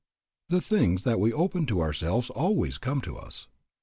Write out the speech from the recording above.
The things that we open ourselves to always come to us.